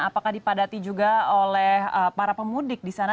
apakah dipadati juga oleh para pemudik di sana